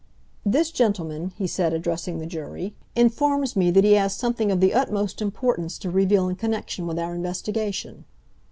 This gentleman," he said, addressing the jury, "informs me that he has something of the utmost importance to reveal in connection with our investigation."